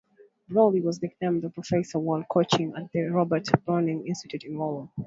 Brolly was nicknamed "The Professor" while coaching at the Robert Browning Institute in Walworth.